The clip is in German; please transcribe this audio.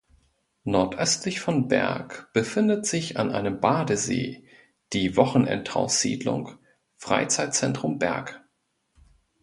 Nordöstlich von Berg befindet sich an einem Badesee die Wochenendhaussiedlung "Freizeitzentrum Berg".